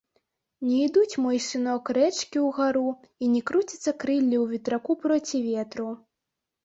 Не ідуць, мой сынок, рэчкі ўгару і не круціцца крылле ў ветраку проці ветру.